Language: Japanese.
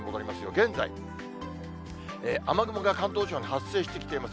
現在、雨雲が関東地方に発生してきています。